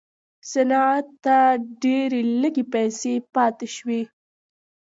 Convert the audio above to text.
صنعت ته ډېرې لږې پیسې پاتې شوې.